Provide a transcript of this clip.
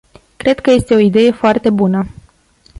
Cred că este o idee foarte bună.